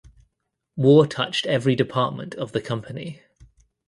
War touched every department of the company.